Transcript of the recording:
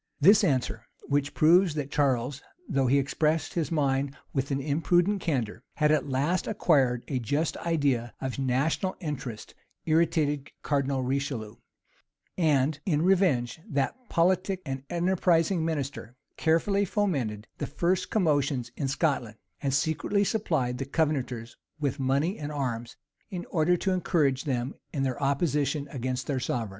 [] This answer, which proves that Charles though he expressed his mind with an imprudent candor, had at last acquired a just idea of national interest irritated Cardinal Richelieu; and, in revenge, that politic and enterprising minister carefully fomented the first commotions in Scotland, and secretly supplied the Covenanters with money and arms, in order to encourage them in their opposition against their sovereign.